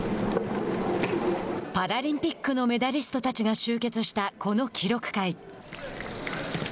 パラリンピックのメダリストたちが集結したこの記録会。